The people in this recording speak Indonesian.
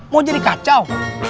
mau jadi kacau